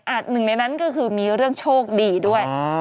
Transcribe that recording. หนึ่งในนั้นก็คือมีเรื่องโชคดีด้วย